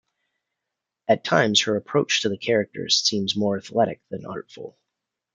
At times her approach to the character seems more athletic than artful.